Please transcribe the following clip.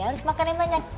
kamu harus makan yang banyak